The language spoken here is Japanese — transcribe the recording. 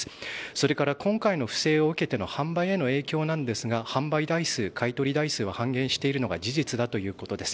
それから今回の不正を受けての販売への影響なんですが販売台数、買い取り台数は半減しているのは事実だということです。